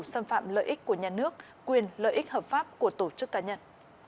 xâm phạm lợi ích của nhà nước quyền lợi ích hợp pháp của tổ chức cá nhân